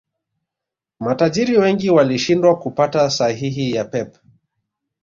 Matajiri wengi walishindwa kupata sahihi ya Pep